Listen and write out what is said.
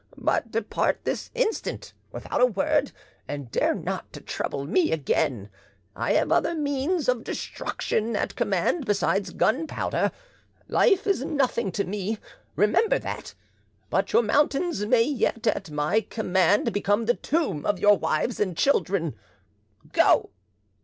But depart this instant without a word, and dare not to trouble me again; I have other means of destruction at command besides gunpowder. Life is nothing to me, remember that; but your mountains may yet at my command become the tomb of your wives and children. Go!"